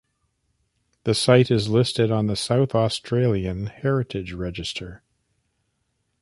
The site is listed on the South Australian Heritage Register.